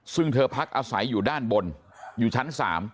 ซึ่งเธอพักอาศัยอยู่ด้านบนอยู่ชั้น๓